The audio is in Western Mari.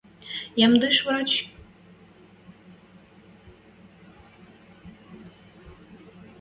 ямдыш врач?